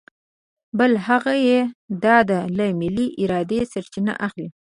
بل هغه یې د ده له ملې ارادې سرچینه اخلي.